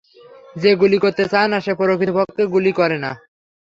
যে গুলি করতে চায় না, সে প্রকৃতপক্ষে গুলি করে না।